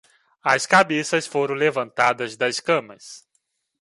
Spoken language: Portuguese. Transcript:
As cabeças foram levantadas das camas.